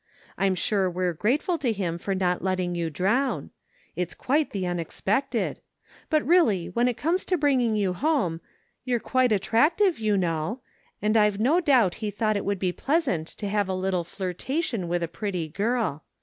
I'm sure we're grateful to him for not letting you drown. It's quite the unexpected ; but really, when it comes to bringing you home, you're quite attractive, you know ; and I've no doubt he thought it would be pleasant to have a little flirtation with a pretty girl.